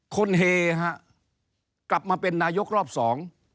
เฮฮะกลับมาเป็นนายกรอบสอง